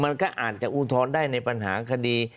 มันก็อาจจะอุทธรณ์ได้ในปัญหาคดี